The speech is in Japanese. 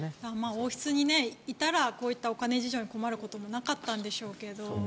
王室にいたらこういったお金事情に困ることもなかったんでしょうけど。